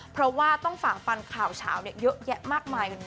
เพราะว่าต้องฝ่าฟันข่าวเฉาเยอะแยะมากมาย